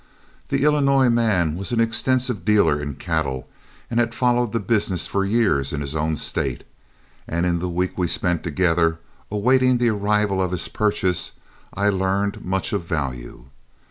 The Illinois man was an extensive dealer in cattle and had followed the business for years in his own State, and in the week we spent together awaiting the arrival of his purchase, I learned much of value.